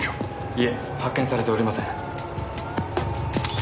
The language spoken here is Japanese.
いえ発見されておりません。